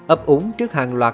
ấp ủng trước hàng loạt